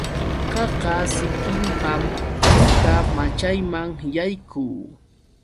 Qaqa sikinpam ñuqa machayman yaykuu.